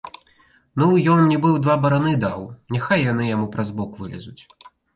Ну, ён мне быў два бараны даў, няхай яны яму праз бок вылезуць.